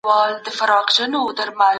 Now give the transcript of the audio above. لويه جرګه به د جګړې د قربانيانو ږغ اوري.